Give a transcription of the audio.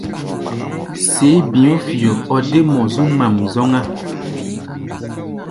Séé bi̧ɔ̧́-fio o dé mɔ zu ŋmaʼm zɔ́ŋá.